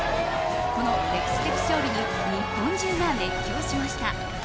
この歴史的勝利に日本中が熱狂しました。